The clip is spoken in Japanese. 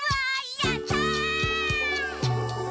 やったー！」